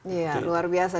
iya luar biasa